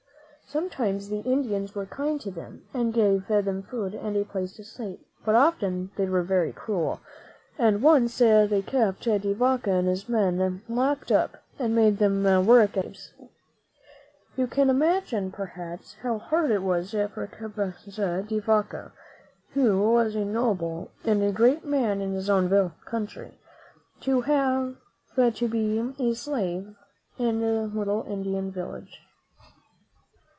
Sometimes the Indians were kind to them, and gave them food and a place to sleep; but often they were very cruel, and once they kept De Vaca and his men locked up, and made them work as slaves. You can imagine, perhaps, how hard it was for Cabeza de Vaca, who was a noble and a great man in his own country, to have to be a slave in a little Indian village.